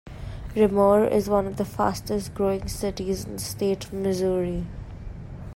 Raymore is one of the fastest growing cities in the state of Missouri.